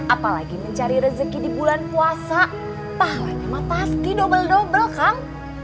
apalagi mencari rezeki di bulan puasa pahlanya mah pasti dobel dobel kang